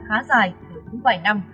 khá dài cũng vài năm